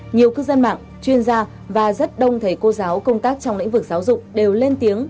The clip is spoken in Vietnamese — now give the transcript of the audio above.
nhiều cư dân mạng chuyên gia và rất đông thầy cô giáo công tác trong lĩnh vực giáo dục đều lên tiếng